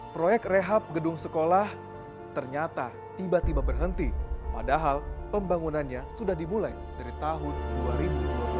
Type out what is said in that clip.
proyek rehab gedung sekolah ternyata tiba tiba berhenti padahal pembangunannya sudah dimulai dari tahun dua ribu dua belas